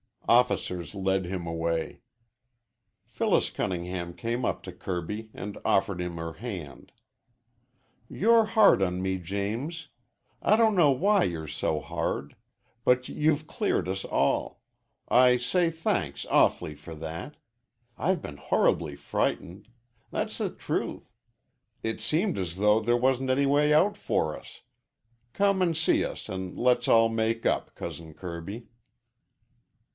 Officers led him away. Phyllis Cunningham came up to Kirby and offered him her hand. "You're hard on James. I don't know why you're so hard. But you've cleared us all. I say thanks awf'ly for that. I've been horribly frightened. That's the truth. It seemed as though there wasn't any way out for us. Come and see us and let's all make up, Cousin Kirby."